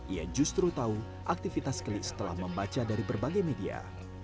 ia justru tahu aktivitas kelis telah membaca dari berbagai media